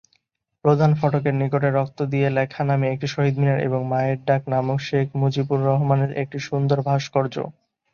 প্রধান ফটকের নিকটে ‘‘রক্ত দিয়ে লেখা’’ নামে একটি শহীদ মিনার, এবং "মায়ের ডাক" নামক শেখ মুজিবুর রহমানের একটি সুন্দর ভাস্কর্য।